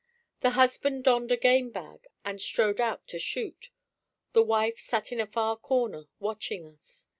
The husband donned a game bag and strode out to shoot; the wife sat in a far corner watching us.